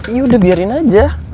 yaudah biarin aja